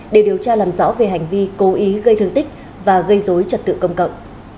để điều tra làm rõ về hành vi cố ý gây thương tích và gây dối trật tự công cộng